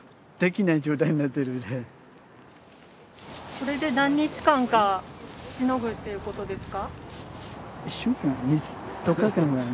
これで何日間かしのぐっていうことですか？